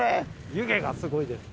湯気がすごいです。